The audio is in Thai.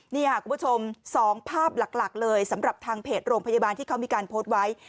นี่ค่ะคุณผู้ชม๒ภาพหลักเลยสำหรับทางเพจโรงพยาบาลที่เขามีการโพสต์ไว้